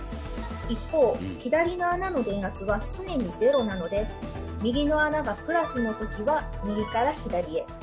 一方左の穴の電圧は常に０なので右の穴が「＋」の時は右から左へ。